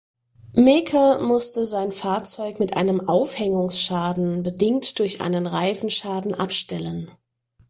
Meeke musste sein Fahrzeug mit einem Aufhängungsschaden bedingt durch einen Reifenschaden abstellen.